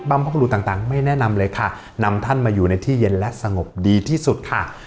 พบรุษต่างไม่แนะนำเลยค่ะนำท่านมาอยู่ในที่เย็นและสงบดีที่สุดค่ะ